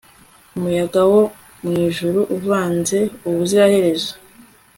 umuyaga wo mwijuru uvanze ubuziraherezo